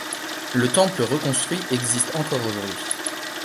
Le temple reconstruit existe encore aujourd'hui.